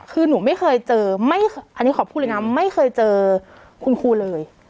คือหนูไม่เคยเจอไม่อันนี้ขอพูดเลยนะไม่เคยเจอคุณครูเลย